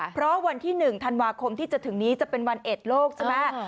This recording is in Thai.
เพราะวันที่๑ธันวาคมที่จะถึงนี้จะเป็นวันเอ็ดโลกใช่ไหม